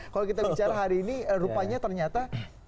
kalau kita bicara hari ini rupanya ternyata